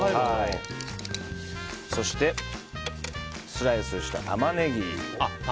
そして、スライスしたタマネギ。